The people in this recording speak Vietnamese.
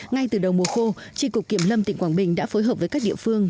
ngay từ đầu mùa khô tri cục kiểm lâm tỉnh quảng bình đã phối hợp với các địa phương